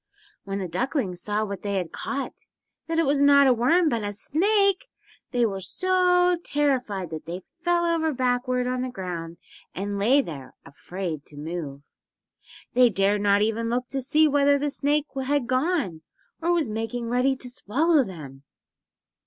When the ducklings saw what they had caught—that it was not a worm but a SNAKE—they were so terrified that they fell over backward on the ground and lay there, afraid to move. They dared not even look to see whether the snake had gone or was making ready to swallow them.